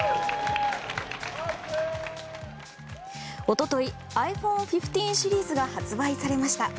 一昨日ｉＰｈｏｎｅ１５シリーズが発売されました。